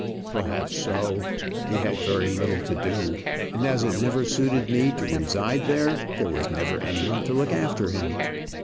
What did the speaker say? "Perhaps so. He had very little to do; and as it never suited me to reside there, there was never any one to look after him.